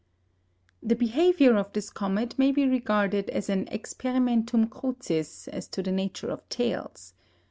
The behaviour of this comet may be regarded as an experimentum crucis as to the nature of tails.